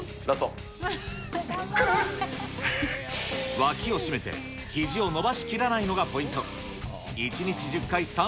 脇を締めて、ひじを伸ばしきらないのがポイント。